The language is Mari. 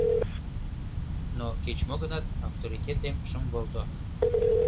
Но кеч-мо гынат авторитетем шым волто.